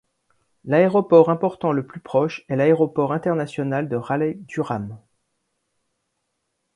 L'aéroport important le plus proche est l'Aéroport international de Raleigh-Durham.